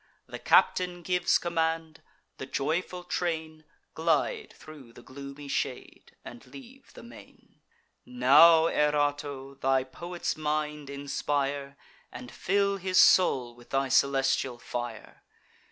The captain gives command; the joyful train Glide thro' the gloomy shade, and leave the main. Now, Erato, thy poet's mind inspire, And fill his soul with thy celestial fire!